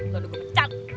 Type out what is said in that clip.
lo nunggu pecat